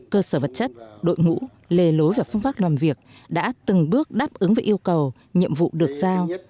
cơ sở vật chất đội ngũ lề lối và phương pháp làm việc đã từng bước đáp ứng với yêu cầu nhiệm vụ được giao